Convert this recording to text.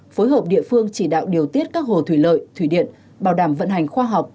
phối hợp địa phương chỉ đạo điều tiết các hồ thủy lợi thủy điện bảo đảm vận hành khoa học